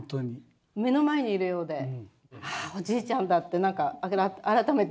目の前にいるようでああおじいちゃんだって何か改めて。